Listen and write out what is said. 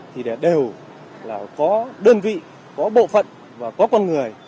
thì đều là có đơn vị có bộ phận và có con người